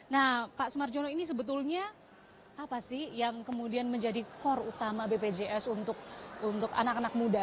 nah pak sumarjono ini sebetulnya apa sih yang kemudian menjadi core utama bpjs untuk anak anak muda